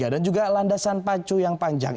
dan juga landasan pacu yang panjang